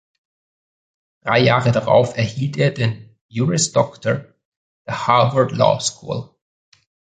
Drei Jahre darauf erhielt er den Juris Doctor der Harvard Law School.